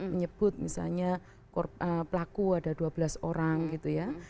menyebut misalnya pelaku ada dua belas orang gitu ya